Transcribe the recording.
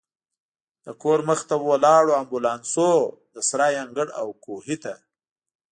د کور مخې ته ولاړو امبولانسونو، د سرای انګړ او کوهي ته.